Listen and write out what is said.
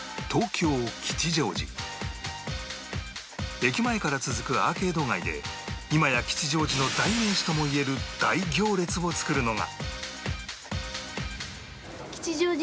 駅前から続くアーケード街で今や吉祥寺の代名詞ともいえる大行列を作るのが